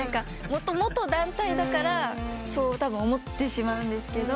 元団体だからそう思ってしまうんですけど。